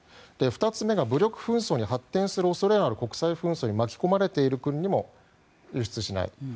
２つ目が武力紛争に発展する恐れがある国際紛争に巻き込まれている国にも輸出しない。